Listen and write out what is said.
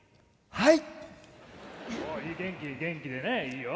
はい。